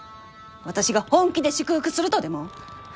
私が本気で祝福するとでも？